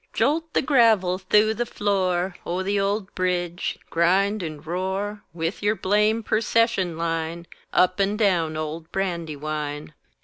Jolt the gravel th'ough the floor O' the old bridge! grind and roar With yer blame percession line Up and down old Brandywine!